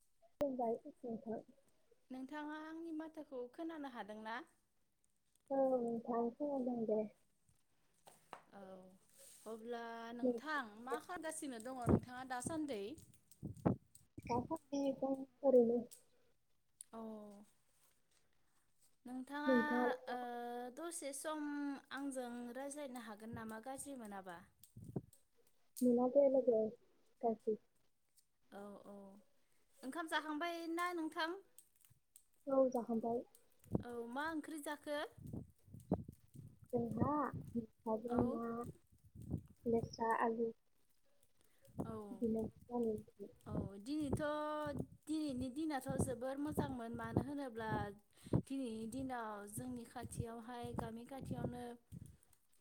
[unintelligible] नोंथाङा आंनि माथोखौ खोनानो हादोंना? औ नोंथां खोनादों दे। औ अब्ला नोंथां मा खालामगासिनो दङ नोंथा ङा दासान्दै? दासान्दि जों ओरैनो औ। नोंथाङा लाय मा खामदों? एसे सम आंजों रायज्लायनो हागोन नामा गाज्रि मोनाबा मोना दे लोगो गाज्रि औ औ ओंखाम जाखांबाय ना नोंथां औ जाहांबाय औ मा ओंख्रि जा खो जोंहा थाजों ना [inaudible] जा आलु औ [inaudible] थ दिनैनि दिनाथ जोबोर मोजांमोन मानो होनोब्ला दिनैनि दिनाव जोंनि खाथियावहाय गामि खाथियावनो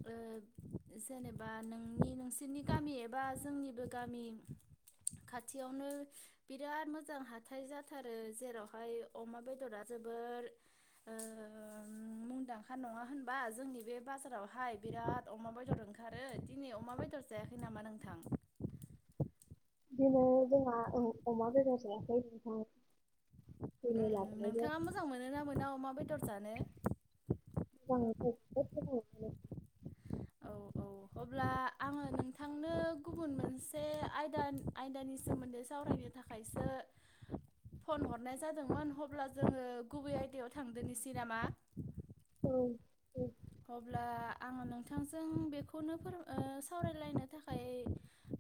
औ जेनेबा नोंनि नोंसोरनि गामि एबा जोंनि आरो गामि खाथियावनो बिराद मोजां हाथाय जाथारो जेरावहाय अमा बेदरा जोबोर औ मुंदांखा नङा होनबा जोंनि बे बाजारावहाय बिराद अमा बेदर ओंखारो दिनै अमा बेदर जायाखै नामा नोंथां बिदिनो जोंहा औ अमा बेदार जायाखै औ नोंथाङा मोजां मोनो ना मोना अमा बेदर जानो [inaudible] औ औ अब्ला आङो नोंथांनो गुबुन मोनसे आयदानि आयदानि सोमोन्दै सावरायनो थाखायसो फन हरनाय जादोंमोन अब्ला जोङो गुबै आयदायाव थांदोनोसै नामा अब्ला आङो नोंथांजों बेखौनो फोर औ सावरायलायनो थाखाय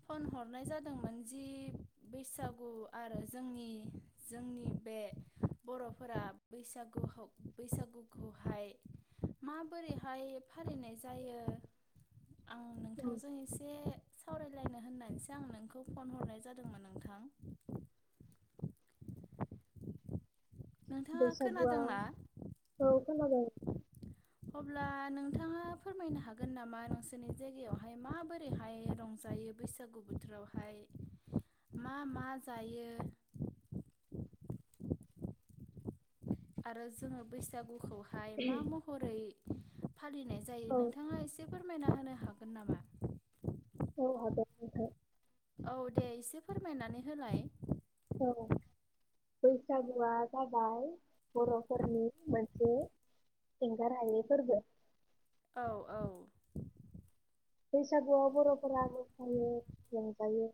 फन हरनाय जादोंमोन जि बैसागु आरो जोंनि जोंनि बे बरफोरा बैसागुखौ बैसागुखौहाय मा बोरैहाय फालिनाय जायो आं नोंथांजों एसे सावरायलायनो होननानैसो आं नोंखौ फन हरनाय जादोंमोन नोंथां नोंथाङा बैसागुआव खोनादोंना औ खोनादों अब्ला नोंथाङा फोरमायनो हागोन नामा नोंसोरनि जायगायावहाय माबोरैहाय रंजायो बैसागु बोथोरावहाय मा मा जायो आरो जोङो बैसागु खौहाय मा महरै फालिनाय जायो औ नोंथाङा एसे फोरमायना होनो हागोन न नामा औ हागोन औ औ दे एसे फोरमायनानै होलाय औ बैसागुआ जाबाय बरफोरनि मोनसे एंगारहायै फोरबो औ औ बैसागुआव बरफोराबो [unintelligible] रंजायो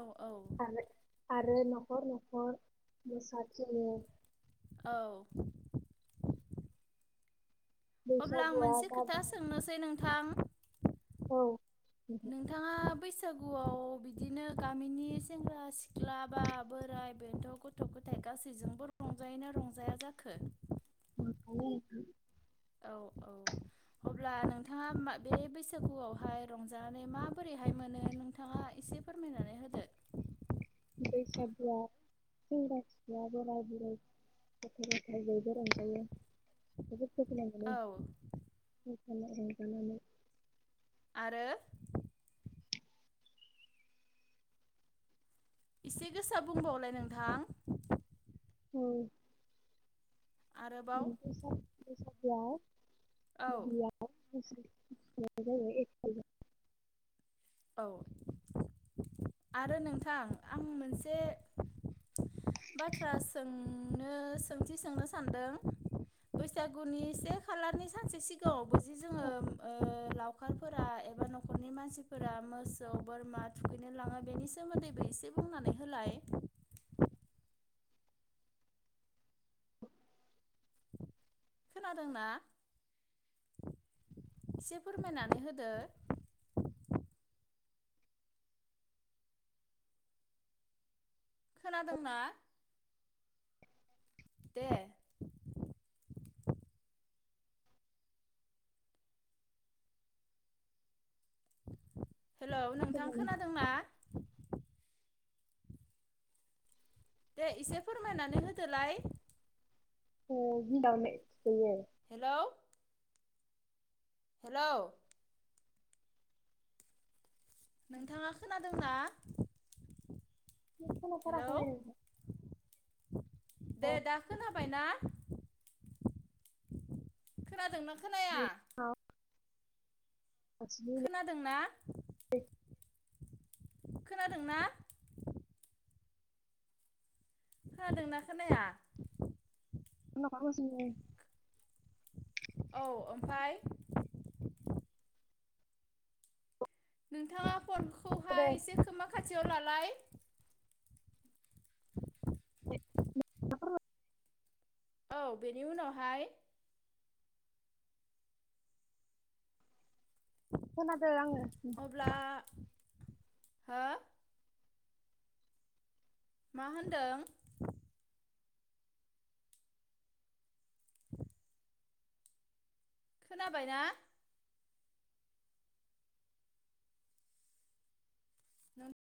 औ औ आरो आरो नखर नखर मोसाथिङो औ अब्ला आं बैसागुआ मोनसे खोथा जाबाय सोंनोसै नों था औ नोंथाङा बैस बैसागुआव बिदिनो गामिनि सेंग्रा सिख्ला बा बोराइ बेनथ, गथ गथाय गासैजोंबो रंजायैनो रंजाया जाखो? [unintelligible] औ औ। अब्ला नोंथाङा बे बैसागुआवहाय रंजानानै माबोरैहाय मोनो नोंथाङा एसे फोरमायनानै होदो? बैसागुआव सेंग्रा सिख्ला, बोराय बुरै गथ' ग'थाय बयबो रंजायो। जोबोर गोजोन्नाय मोनो। औ मोसाना रंजानानै। आरो? एसे गोसा बुंबावलाय नोंथां। उम। बे आरोबाव बैसागु आव औ [unintelligible] [unintelligible] औ। आरो नोंथां आं मोनसे बाथ्रा सोंनो सोंथि सोंनो सानदों बैसागुनि से खालारनि सानसे सिगाङावबो जे जोङो एप्रिलाव ओ ओ लावखारफोरा, एबा न'खरनि मानसिफोरा मोसौ, बोरमा थुखैनो लाङो, बेनि सोमोन्दैबो एसे बुंनानै होलाय। खोनादोंना? एसे फोरमायनानै होदो। खोनादोंना? दे। हेलौ नोंथां खोनादोंना? दे इसे फोरमायनानै होदोलाय। औ होमबा नेथ [unintelligible] हेलौ हेलौ नोंथाङा खोनादोंना? हेलौ खोनाथाराखै [inaudible] दे दा खोनाबाय ना? खोनादोंना? खोनाया [unintelligible] अ बिनि खोनादोंना? खोनादोंना? खोनादों ना खोनाया? [unintelligible] औ ओमफ्राय? नोंथाङा फन [unintelligible] खाथियाव लालाय। औ, बेनि उनावहाय? खोनादों आङो। अब्ला हो? मा होनदों? [inaudible] खोनाबायना? नों